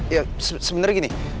ya sebenernya gini